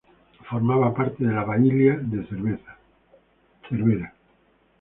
Formaba parte de la bailía de Cervera.